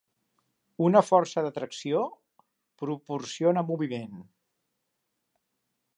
Una força d'atracció proporciona moviment.